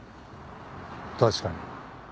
確かに。